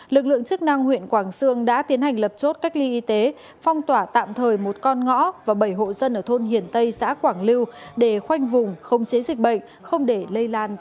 lực lượng chức năng huyện quảng sương đã tiến hành lập chốt cách ly y tế phong tỏa tạm thời một con ngõ và bảy hộ dân ở thôn hiền tây xã quảng lưu để khoanh vùng không chế dịch bệnh không để lây lan ra